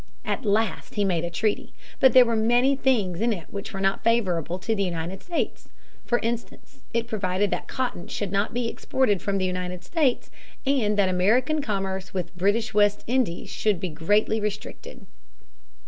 At last he made a treaty. But there were many things in it which were not at all favorable to the United States. For instance, it provided that cotton should not be exported from the United States, and that American commerce with the British West Indies should be greatly restricted.